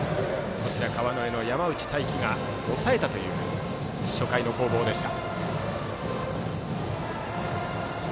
川之江の山内太暉が抑えたという初回の攻防でした。